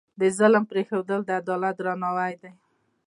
د ظلم پرېښودل، د عدالت درناوی دی.